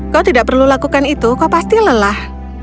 kau tidak perlu lakukan itu kau pasti lelah